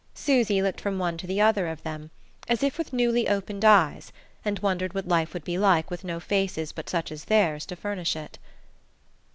Susy looked from one to the other of them, as if with newly opened eyes, and wondered what life would be like with no faces but such as theirs to furnish it....